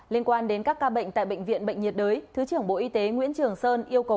liên quan đến các ca bệnh tại bệnh viện bệnh nhiệt đới thứ trưởng bộ y tế nguyễn trường sơn yêu cầu